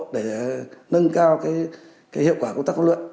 để nâng cao hiệu quả công tác huấn luyện